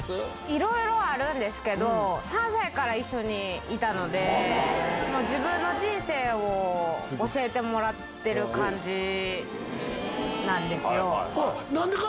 いろいろあるんですけど３歳から一緒にいたので自分の人生を教えてもらってる感じなんですよ。